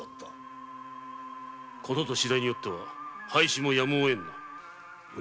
事と次第によっては廃止も止むを得ぬな。